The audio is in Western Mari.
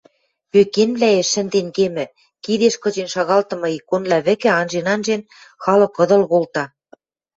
Пӧкенвлӓэш шӹнден кемӹ, кидеш кычен шагалтымы иконвлӓ вӹкӹ анжен-анжен, халык ыдыл колта.